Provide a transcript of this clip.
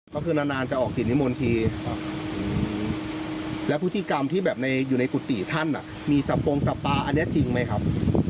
ก็คือนานจะออกสิทธิมนทีแล้วพฤติกรรมที่แบบอยู่ในกุฏิท่านมีสับปงสับปาอันนี้จริงไหมครับ